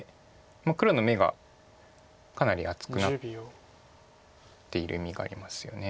黒の眼がかなり厚くなっている意味がありますよね。